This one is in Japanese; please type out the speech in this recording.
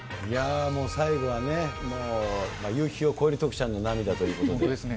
いやー、もう最後はね、もう夕日を超える徳ちゃんの涙ということで。